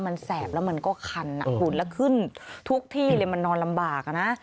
มันแสบแล้วมันก็คันหุ่นแล้วขึ้นทุกที่เลยมันนอนลำบาก